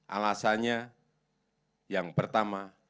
alasannya yang pertama